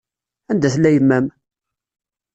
Anda tella yemma-m?